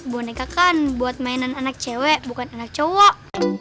boneka kan buat mainan anak cewek bukan anak cowok